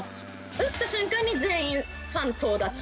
打った瞬間に全員、ファン総立ち。